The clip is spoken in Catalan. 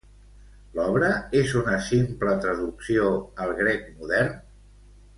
L'obra és una simple traducció al grec modern?